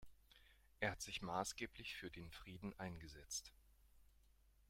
Er hat sich maßgeblich für den Frieden eingesetzt.